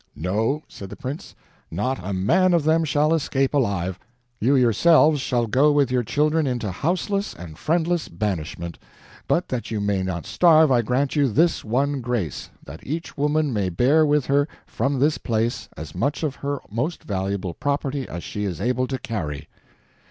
"No," said the prince, "not a man of them shall escape alive; you yourselves shall go with your children into houseless and friendless banishment; but that you may not starve I grant you this one grace, that each woman may bear with her from this place as much of her most valuable property as she is able to carry."